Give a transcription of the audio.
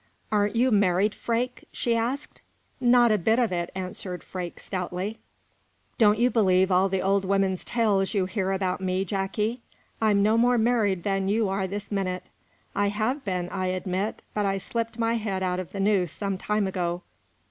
"Aren't you married, Freke?" she asked. "Not a bit of it," answered Freke, stoutly. "Don't you believe all the old women's tales you hear about me, Jacky. I'm no more married than you are this minute. I have been, I admit, but I slipped my head out of the noose some time ago.